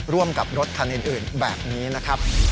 ร่วมกับรถคันอื่นแบบนี้นะครับ